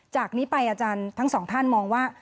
จากนี้ไปอาจารย์ทั้งสองท่านมองว่า